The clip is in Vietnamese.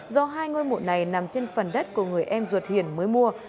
do hai ngôi mộ này nằm trên phần đất của người em ruột hiển mới mua